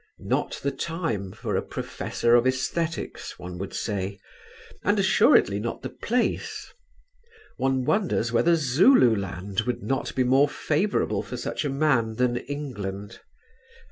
Not the time for a "professor of æsthetics," one would say, and assuredly not the place. One wonders whether Zululand would not be more favourable for such a man than England.